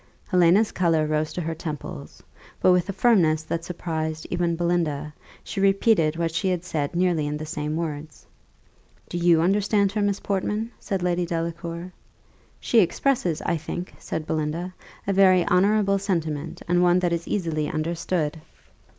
Helena's colour rose to her temples; but, with a firmness that surprised even Belinda, she repeated what she had said nearly in the same words. "Do you understand her, Miss Portman?" said Lady Delacour. "She expresses, I think," said Belinda, "a very honourable sentiment, and one that is easily understood."